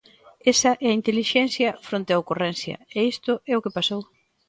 Esa é a intelixencia fronte á ocorrencia, e isto é o que pasou.